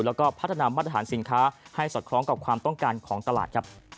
แล้วก็พัฒนามาตรฐานสินค้าให้สอดคล้องกับความต้องการของตลาดครับ